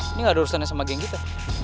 ini gak ada urusannya sama geng kita